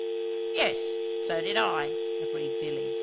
"Yes; so did I," agreed Billy.